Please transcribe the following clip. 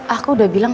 aku udah bilang